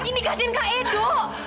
indi kasihan ke edo